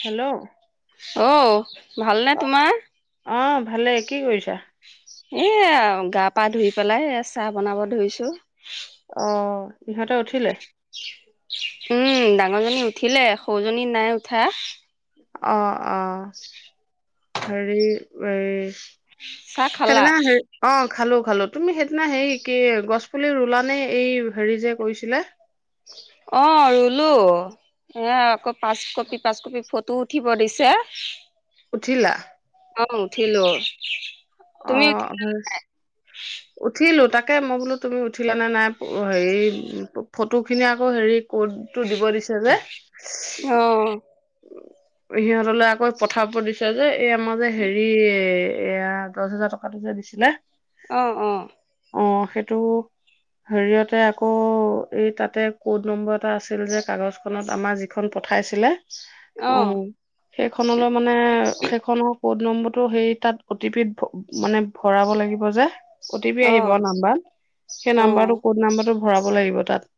Hello. অ ভালনে তোমাৰ? ভালেই। কি কৰিছা? এইয়া গা পা ধুই পেলাই এ চাহ বনাব ধৰিছো। অ ইহঁতে উঠিলে? উম, ডাঙৰ জনী উঠিলে সৰুজনী নাই উঠা। অ, অ হেৰি এই চাহ খালা? সেইদিনা হেৰি অ খালো, খালো তুমি সেইদিনা হেৰি কি গছ পুলি ৰুলা নে? এই হেৰি যে কৰিছিলে। অ ৰু লো এয়া আকৌ পাচ কপি, পাচ কপি ফটো উঠিব দিছে। উঠিলা? অ', উঠিলো। অ তুমি হয় উঠিলো তাক তাকে মই বোলো তুমি উঠিল নে নাই হেৰি ফ ফটোখিনি আকৌ হেৰি ক'তটো দিব দিছে যে অ', সিহঁতলে আকৌ পথাৰ প দিছে যে এই আমাৰ যে হেৰি এ এয়া দছ হেজাৰ টকাটো যে দিছিলে অ অ অ সেইটো হেৰিয়তে আকৌ এই তাতে ক'ড নম্বৰ এটা আছিল যে কাগজখনত আমাৰ যিখন পঠাইছিলে অ' সেইখনলৈ মানে সেইখনৰ কড নম্বৰ তটো সেই তাত অটি পিত মানে ভৰাব লাগিব যে অটি পি আহিব অ', নাম্বাৰ সেই নাম্বাৰটো অ', ক'ত নাম্বাৰটো ভৰাব লাগিব তাত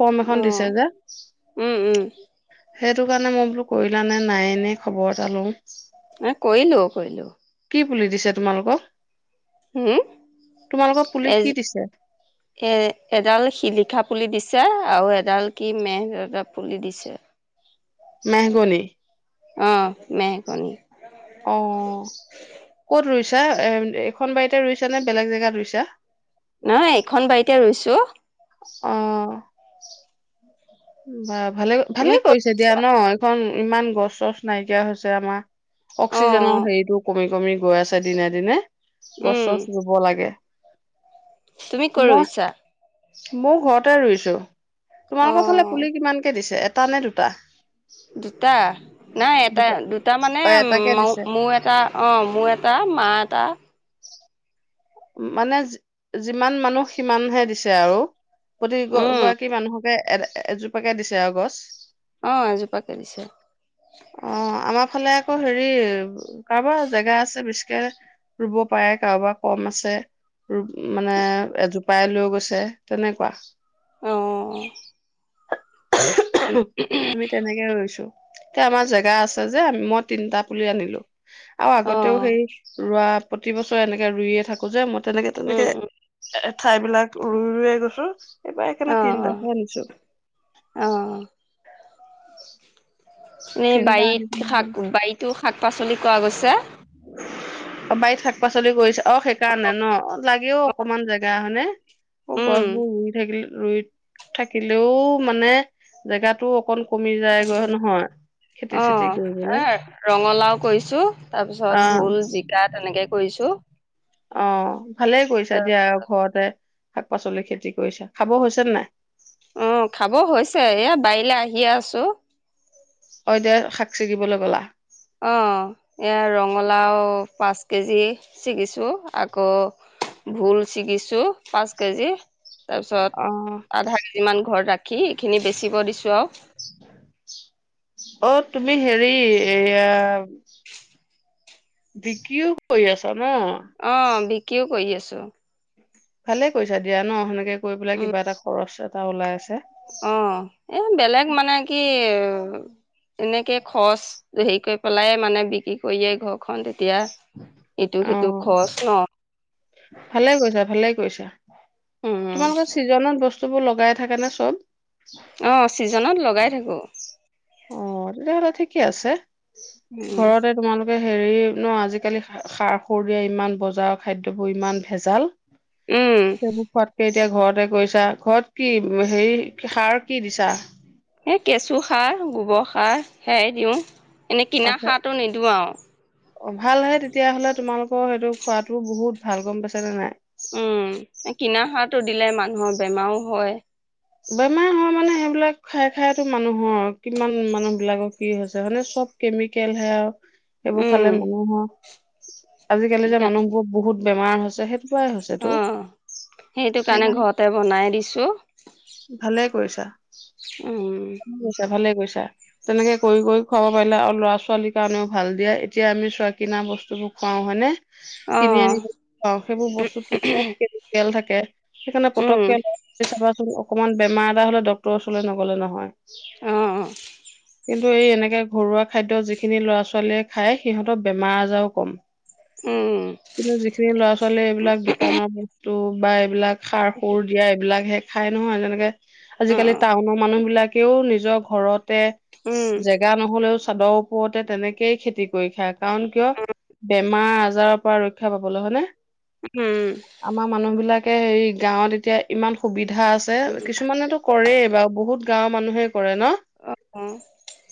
ফৰ্ম এখন দিছে অ', যে সেই উম, উম, সেইটো কাৰণে মই বোলো কৰিল নে নাই এনেই খবৰ এটা লও এ কৰিলো কৰিলো কি বুলি দিছে তোমালোকক উম তোমালোকৰ পুলি এ কি দিছে এ এডাল শিলিখা পুলি দিছে পছা আৰু এডাল কি মেহটা পুলি দিছে মেহগনি অ' মেহগনি অ ক'ত ৰুইছা এ এইখন বাৰীতে ৰুইছা নে বেলেগ জেগাত ৰুইছা নহ এইখন বাৰীতে ৰৰুইছো অ' উ হ ভালে ভালে তুমি ক'ত কৰিছে দিয়া ৰুইছা ন এইখন ইমান গছ চছ নাইকিয়া হৈছে আমাৰ অ অক্সিজেনৰ হেৰিটো কমি কমি গৈ আছে দিনে দিনে গছ উম চছ ৰুব লাগে তুমি কৰ ৰুইছো মই ঘৰতে ৰুইছো অ তোমালোকৰ ফালে কিমানকে দিছে এটা নে দুটা দুটা নাই এটা দুটা মানে অ এটাকে ম দিছে মোৰ এটা অঁ মোৰ এটা মা এটা মানে যিমান মানুহ সিমানহে দিছে আৰু প্ৰতি উম গৰাকী মানুহকে এ এজোপাকে দিছে আৰু গছ আহ এজোপাে দিছে অ আমাৰ ফালে আকৌ হেৰি কাৰোবাৰ জেগা আছে বেছিকে ৰুব পাৰে কাৰোবাৰ কম আছে মানে এজোপাই লৈ গৈছে তেনেকুৱা অ আমি তেনেকে ৰৈছো এতিয়া আমাৰ জেগা আছে যে মই তিনটা পুলি আনিলো আৰু অ আগতেও সেই ৰোৱা প্ৰতি বছৰে এনেকে ৰুয়ে থাকো যে মই তেনেকে উম তেনেকে উম ঠাই বিলাক উৰুই উৰুৱে গৈছো এইবাৰ সেইকাৰণে অ অ তিনিটা আনিছো অ উ ন বাৰীত শাক বাৰীতো শাক শাক পাচলি কৰাোৱা গৈছে অ বাৰ শাক পাচলি গৈছে অ সেইকাৰণে ন লাগেও অকণমান জেগা হয়নেে অ উম গছ বোৰ ই থাকিলে ৰই থাকিলেও মানে জেগাটো অকণ অ চেতি কৰিবলৈ এ ৰঙালাও কৰিছো ছো তাৰ অ পিছত ভুল জিকা তেনেকে কৰিছো অ ভালেই অ কৰিছা দিয়া ঘৰতে শাক পাচলি খেতি কৰিছে খাব হৈছে নে নাই অ খাব হৈছে এ বাৰিলে আহিয়ে আছো অই দে শাক চিগিবলৈ গ'লা অ এয়া ৰঙালাও পাঁচ কেজি ছিগিছো আকৌ ভোল ছিগিছো পাঁচ কেজি তাৰপিছত অ আধা কেজি মান ঘৰত ৰাখ কি এইখিনি বেচিব দিছোঁ আৰু অ তুমি হেৰি এয়া [inaudible] দকিও ক আছা ম কিয় কৰি আছো ভালে কৰিছা দিয়া ন সেনেকে গৈ পেলাই উম কিবা এটা খৰচ ত ওলাই অ এ বেলেগ মানে কি এনেকে খৰচ হেৰি কৰি পেলাই মানে বিক্ৰী কৰিয়ে ঘৰখন তেতিয়া ইটো অ সিটো খৰচ ন ভালে কৈছা ভালে কৈছা উম তোমালোকৰ চিজননৰ বস্তু চবো লগাই থাকে ন চব অ চিজ জনত লগাই থাকো অ তেয়াহ'লে ঠিকেই আছে উম ঘৰতে তোমালোক হেৰি ন আজিকালি সাৰ সুৰ দিয়া ইমান বজাৰ খাদ্যয়বোৰ ইমান ভেজাল উম সেইবোৰ খোৱাতকে এতিয়া ঘৰত ঘতে কৈছা ঘৰত কি হেৰি সাৰ কি দিছা এই কেঁচুসাৰ গোবৰ সাৰ সেয়াই দিওঁ এনেই কিনা সাৰটো নিদিওঁ আৰু অ' ভাল হয় তেতিয়াাহ'লে তোমালোক সেইটো খোৱাতো বহুত ভাল গম পাইছ নে নাই? উম কিনা সাট টো দিলে মানুহৰ বেমাৰও হয় বেমাৰ হয় মানে সেইবিলাক খাই খাইতো মানুহৰ কিমান মানুহ বিিলাকৰ কি হৈছে মানে চব কেমিকেলহে আৰু সেইবোৰ উম খালে মানুহৰ উ আজিকালি যে সেইকাৰণে মানুহবোৰক বহুত বেমাৰ হৈছে সেইটো পৰাই হৈছেতো অ' সেইটো কাৰণে সেইকাৰণে ঘৰতে বনাই দিছো। ভালে কৰিছা উম ভালে কৰিছা ভালে তেনেকে কৰি কৰি খুৱাব পাৰিলে আৰু ল'ৰা ছোৱালীৰ কাৰণনেও ভাল দিয়ে এতিয়া আমি চুৱ কিনা বস্তু বোৰ খুৱাও হয়নে? অ কিনি আন পাওঁ সেইবোৰ বস্তুতো চব তেল থাকে [unintelligible] সেইফালৈ উম পটককে [unintelligible] চাবা [inaudible] অকণমান বেমাৰ এটা হলে ডকক্তৰ ওচৰলৈ নগ'লে নহয়। অ'। কিন্তু এই এনেকে ঘৰুৱা খাদ্য যিখিনি ল'ৰা ছোৱালীয়ে খায় সিহঁতৰ বেমাৰ আজাৰো কম। উম কিন্তু যিখিনি ল'ৰা ছোৱালী এইবিলাক দোকানৰ টোবা এইবিলাক সাৰ সুৰ দিয়া এইবিলাকহে খাই নহয় তেনেকে অ উম আজিকালি টাউনৰ মানুহ বিলাক তেও নিজৰ ঘৰত তে উম জেগা নহলেও চাদৰ ওপৰতে তেনেকে খেতি কৰি খায় কাৰণ কিয় বেমাৰ বজাৰৰ পৰা ৰক্ষা পাবলৈ হয় নে? অ উম উম আমাৰ মানুহ বিলাক তে হেৰি গাঁৱত এতিয়া ইমান সুবিধা [unintelligible] কিছুমানেতো কৰে বাৰু বহুত গাঁৱৰ মানুহে কৰে ন,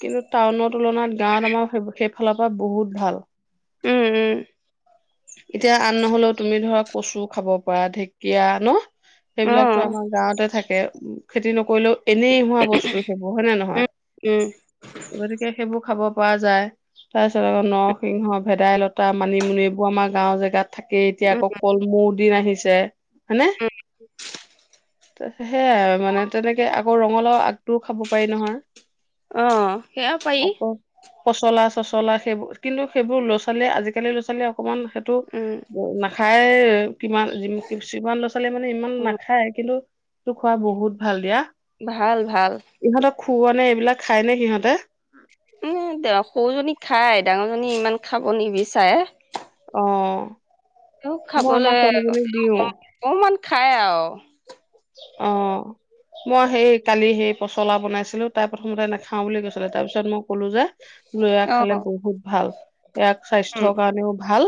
কিন্তু টাউনৰ তুলনাত গাঁৱত আমাৰ [unintelligible] ফালৰ পৰা বহুত ভাল উম উম এতিয়া আন নহলেও তুমি ধৰা কচু খাব পৰা ঢেকীয়া ন? অ সেইবিলাকতো আমাৰ গাঁৱতে থাকে উ খেতি নকৰিলেও এনেই হোৱা বস্তু সেইবোৰ হয় নে নহয়, উম গতিকে সেইবোৰ খাব পোৱা যায় তাৰ পিছত আকৌ নৰসিংহ, ভেদাইলতা, মানিমুনি এইবোৰ আমাৰ গাঁও জেগাত থাকে এতিয়া উম আকৌ কলমৌ দিন আহিছে যে হৈনে [unintelligible] সেয়াই মানে তেনেকে আকৌ ৰঙালাও আগটোও খাব পাৰি নহয়। অ, সেয়া পাৰি। আকৌ পচলা চচলা সেইবোৰ কিন্তু সেইবোৰ ল'ৰা ছোৱালীয়ে আজিকালিৰ ল'ৰা ছোৱালীয়ে অকমান সেইটো উম [unintelligible] খাই কিমান সিমান ল'ৰা ছোৱালীয়ে মানে ইমান নাখায় কিন্তু তটো খোৱা বহুত ভাল দিয়া ভাল ভাল খৱ নে এইবিলাক খাই নে সিহঁতে উ সৰুজনী খাই ডাঙৰ জনী ইমান খাব নিবিচাৰে অ ত মই আমাৰ খাবলৈ ছোৱালীজনীক দিও অক অকমান খাই আওঁ অ মই সেই কালি সেই পচলা বনাইছিলো তাৰ প্ৰথমতে নাখাও বুলি কৈছিলে তাৰ পিছত মোক কলো যে বোলয়া অ খালে বহুত ভাল ইয়াক উম স্বাস্থ্যৰ কাৰণেও ভাল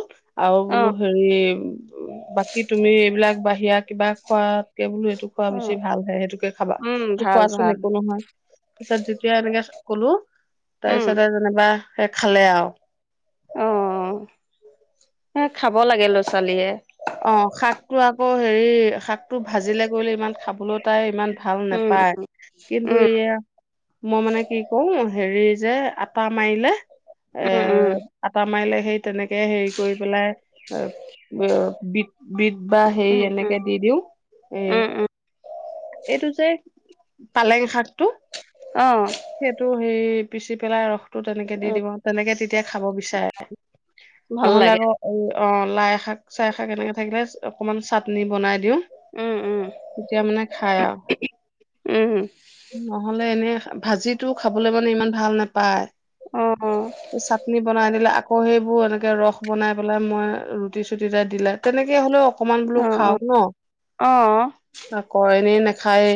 আৰু অ বোলো হেৰি বাকী তুমি এইবিলাক বি দি [unintelligible] কিবা খোৱাত বোলো এইেইটো খোৱা অ বেছি ভাল হে সেইটোকে খাবা উম সেইটো ভাল খোৱাচোন ভাল একো নহয় তাৰিছত যেতিয়া এনেকে কলো উম তাৰপিছতে যেনিবা সেই খালে আৰু অ এ খাব লাগে ল'ৰা ছোৱালীয়ে অ শাকটো আকৌ হেৰি শাকটো ভাজিলে গলে ইমান খাবলৈ তাই ইমান ভাল উম নোপায় কিন্তু উম এয়া মই মানে কি কওঁ হেৰি যে আতা মাৰিলে এ উম আটা মাইলে সেই তেনেকে হেৰি কৰি পেলাই অ' বিট বিধ বা হেৰি উম উম এনেকে দি দিওঁ এ উম উম উম এইটো যে পালেং শাকটো। আহ। সেইটো সেই পিচি পেলাই ৰসতটো তেনেকে দি দিব তেনেকে তেতিয়া খাব বিচাৰে ভাল নহ'লে লাগে আকৌ এই অ' লাই শাক চাইাক কেনেকে থাকিলে অকমান চাটনি বনাই দিওঁ, উম উম তেতিয়া মানে খাই আৰু উম নহলে এনে ভাজিটো খাবলৈ মানে ইমান ভাল নাপায় অ চাটনি বনাই দিলে আকৌ সেইবোৰ এনেকে ৰস বনাই পেলাই মই ৰুটি চ দুইটা দিলা, তেনেকে হলেও অকমান বোলো অ অ খাওক ন? অ'। আ ক এনেই নাখায়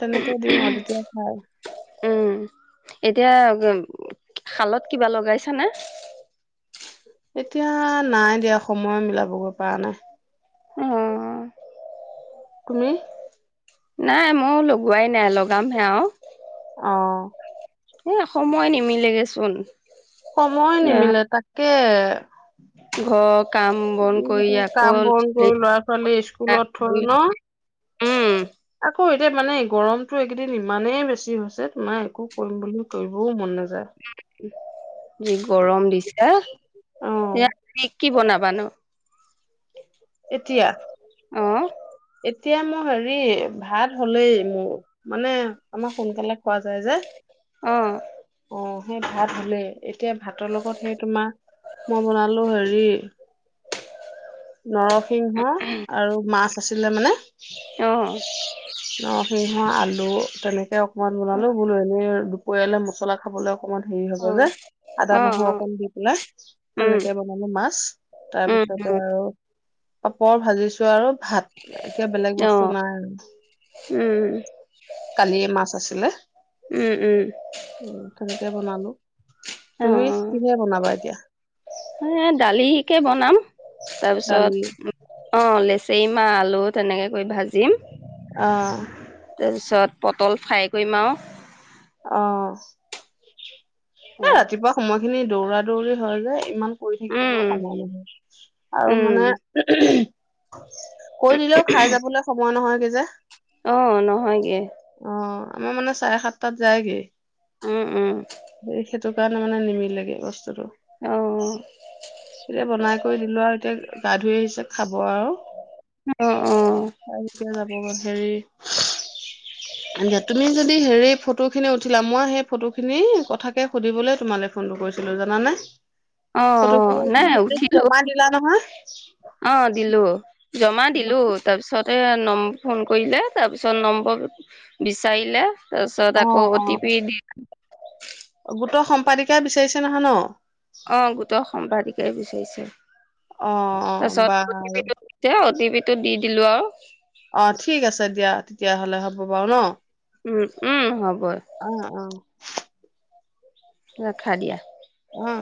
তেনেকে দিওঁ আৰু তেতিয়া খাই। উম এতিয়া শালত কিবা লগাইছ নে? এতিয়া নাই দিয়া সময় মিলাবগৈ পৰা নাই। অ তুমি? নাই মই লগোৱাই নাই লগাম হে আৰু। অ'। এ সময় নিমিলেগেচোন। সময় নিমিলে তাক কে ঘক কাম বন কৰি আকৌ কাম বন কৰি ল'ৰা ছোৱালী স্কুলত থৈ উম। আ এতিয়া মানে গৰমটো এইকেইদিন ইমানেই বেছি হৈছে তোমাৰ একো কৰিম বুলি কও মন নাযায় যি গৰম দিছে। অ'। কি বনাব নো? এতিয়া? এতিয়া মোৰ হেৰি ভাত হলেই মোৰ মানে আমাৰ সোনকালে খোৱা যায় যে অ অ' ভাত হ'লেই। এতিয়া ভাতৰ লগত সেই তোমাৰ মই বনালো হেৰি [inaudible] নৰসিংহ আৰু মাছ আছে ছিলে মানে অ অ' সি ম আলু তেনেকে অকমান বনালো বোলো এনেই পৰিয়ালে মছলা খাবলৈ অকমান হেৰি হব অ যে আদা অ নহৰু অ অকণ দি পেলাই উম তেনেকে বনালো মাছ উম তাৰপিছতে উম আৰু পাপৰ ভাজিছো আৰু ভাত এতিয়া বেলেগ অ বস্তু নাই উম আৰু কালি মাছ আছিলে উম উম উ তেনেকে বনালো অ তুমি কিহে বনাবা এতিয়া নাম দালি তাৰপিছত অঁ লেচু চেইমা আলু তেনেকৈ কৰি ভাজিম অঁ তাৰপিছত পটল ফ্ৰাই কৰিম আৰু আঁহ এ ৰাতিপুৱা সময়ত খিনি দৌৰা দৌৰি হয় যে ইমান কৰি থাকিবলৈও উম সময় নহয় আৰু উম মানে কৰি দিলেও খাই যাবলৈ সময় নহয় যে অঁ নহয়গৈ অ আমাৰ মানে চাৰে সাতটাত যায়গে উম উম সেইটো কাৰণে মানে নিমিলেগৈ বস্তু অ বনাই কৰি দিলো আৰু এতিয়া গা ধুই আহিছে খাব আৰু অঁ অঁ বহুত হেৰি অঁ তুমি যদি হেৰি ফটো খিনি উঠিলা মই সেই ফটো খিনি কথাকে সুধিবলৈ তোমালৈ ফোনটো কৰিছিলো জানে অঁ অঁ নাই উঠিলো দিলা নহয় অঁ দিলো জমা দিলো তাৰ পিছত তাতে নম ফোন কৰিলে তাৰপিছত নম্বৰ বিচাৰিলে তাৰ পাছত অ আকৌ অ অতিপি দিলো পালিকা বিচাৰিছে নহয় ন অ গোটৰ সম্পাদিকাই বিচাৰিছে অ তাৰ বা পাছত অ তি পি তেওঁ দিবিতো দি দিলো আৰু অঁ ঠিক আছে দিয়া তেতিয়াহলে হ'ব বাৰু ন উম উম হ'ব অঁ অঁ অঁ ৰাখা দিয়া অ